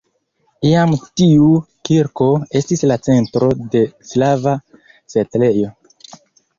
Iam tiu kirko estis la centro de slava setlejo.